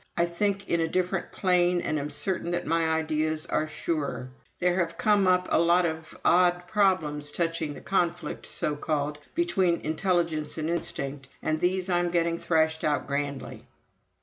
I think in a different plane and am certain that my ideas are surer. There have come up a lot of odd problems touching the conflict, so called, between intelligence and instinct, and these I'm getting thrashed out grandly."